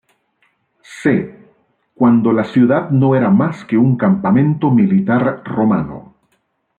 C, cuando la ciudad no era más que un campamento militar romano.